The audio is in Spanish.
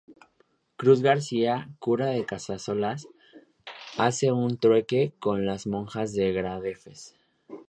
Cruz García, cura de Casasola, hace un trueque con las monjas de Gradefes.